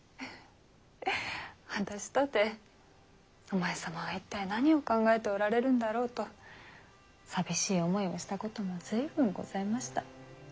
私とてお前様は一体何を考えておられるんだろうと寂しい思いをしたことも随分ございました。